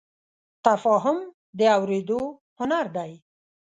تفاهم د اورېدو هنر دی.